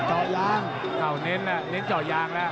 เจ้าเหน้จอยางละ